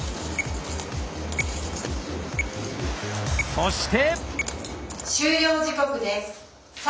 そして。